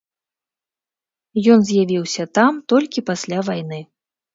Ён з'явіўся там толькі пасля вайны.